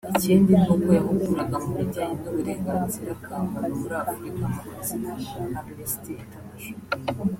Ikindi ni uko yahuguraga mu bijyanye n’uburenganzira bwa muntu muri Afurika mu kazi ka Amnesty International